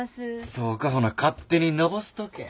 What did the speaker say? そうかほな勝手にのぼせとけ。